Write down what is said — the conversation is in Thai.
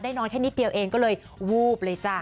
นอนแค่นิดเดียวเองก็เลยวูบเลยจ้ะ